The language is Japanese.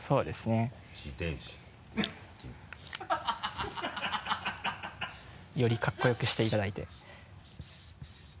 自転車。よりかっこ良くしていただいて。